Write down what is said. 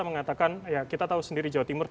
mengatakan ya kita tahu sendiri jawa timur